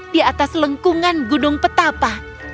di atas lengkungan gunung petapa